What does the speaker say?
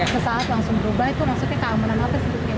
sesaat langsung berubah itu maksudnya keamanan apa sih